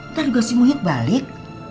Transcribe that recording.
ntar juga si muhit balik